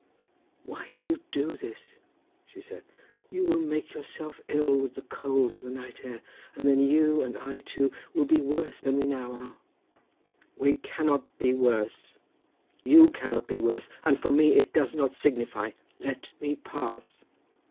"Why do you do this?" she said. "You will make yourself ill with the cold and the night air; and then you, and I too, will be worse than we now are." "We cannot be worse. You cannot be worse, and for me it does not signify. Let me pass."